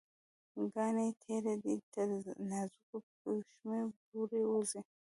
کاڼې تېره دي، تر نازکو پښومې پورې وځي